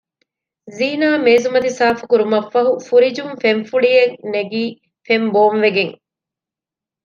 ޒީނާ މޭޒުމަތި ސާފުކުރުމަށްފަހު ފުރިޖުން ފެންފުޅިއެން ނެގީ ފެންބޯންވެގެން